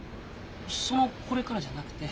その「これから」じゃなくて。